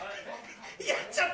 やっちゃった。